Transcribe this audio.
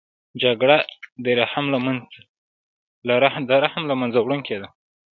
جګړه د رحم له منځه وړونکې ده